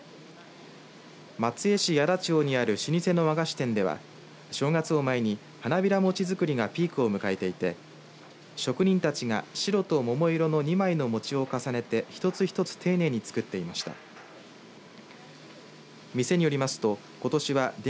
松江市矢田町にある老舗の和菓子店では正月を前に花びら餅づくりがピークを迎えていて職人たちが白と桃色の２枚の餅を重ねて一つ一つ丁寧に作っていました。